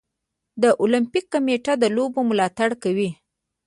د المپیک کمیټه د لوبو ملاتړ کوي.